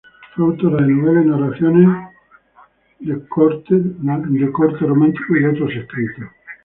Fue autora de novelas y narraciones de corte romántico, y de otros escritos.